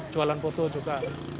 jualan putu juga